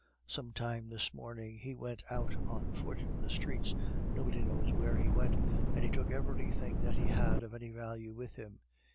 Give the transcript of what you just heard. Some time this morning he went out on foot in the streets, nobody knows where he went, and he took everything that he had of any value with him.